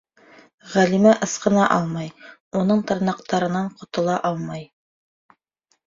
Ғәлимә ысҡына алмай, уның тырнаҡтарынан ҡотола алмай.